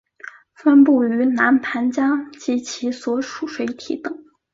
分布于南盘江及其所属水体等。